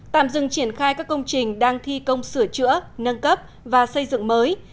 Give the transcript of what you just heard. tạm dừng triển khai các công trình đang thi công sửa chữa nâng cấp và xây dựng mới